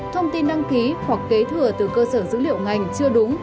thông tin đăng ký hoặc kế thừa từ cơ sở dữ liệu ngành chưa đúng